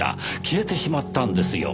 消えてしまったんですよ。